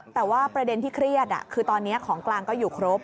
แต่ว่าประเด็นที่เครียดคือตอนนี้ของกลางก็อยู่ครบ